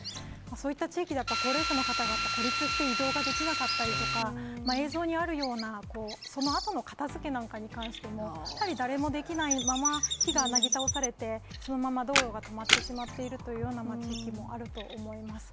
そういった地域だと、高齢者の方がやっぱり、孤立して移動ができなかったりとか、映像にあるような、そのあとの片づけなんかに関しても、やっぱり誰もできないまま、木がなぎ倒されて、そのまま道路が止まってしまっているというような地域もあると思います。